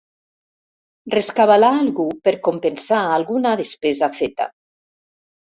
Rescabalar algú per compensar alguna despesa feta.